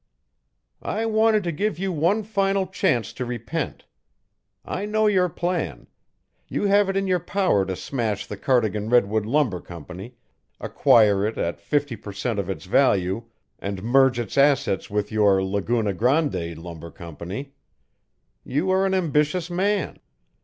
"I wanted to give you one final chance to repent. I know your plan. You have it in your power to smash the Cardigan Redwood Lumber Company, acquire it at fifty per cent. of its value, and merge its assets with your Laguna Grande Lumber Company. You are an ambitious man.